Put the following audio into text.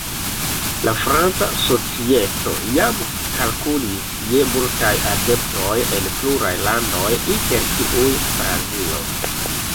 La franca societo jam kalkulis je multaj adeptoj en pluraj landoj, inter kiuj Brazilo.